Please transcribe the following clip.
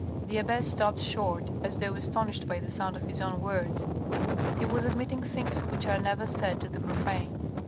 The abbe stopped short as though astonished by the sound of his own words ; he was admitting things which are never said to the profane.